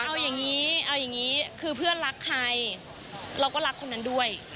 เอาอย่างนี้เอาอย่างนี้คือเพื่อนรักใครเราก็รักคนนั้นด้วย